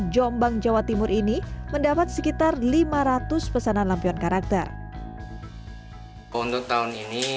jombang jawa timur ini mendapat sekitar lima ratus pesanan lampion karakter untuk tahun ini